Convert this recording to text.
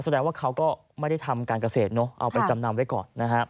แสดงว่าเขาก็ไม่ได้ทำการเกษตรเอาไปจำนำไว้ก่อนนะฮะ